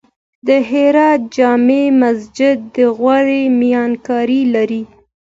د هرات جمعې مسجد د غوري میناکاري لري